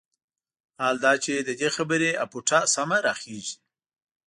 حال دا چې د دې خبرې اپوټه سمه راخېژي.